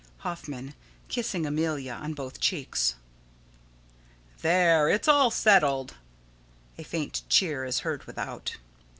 _] Hoffman: [Kissing Amelia on both cheeks.] There, it's all settled. [_A faint cheer is heard without.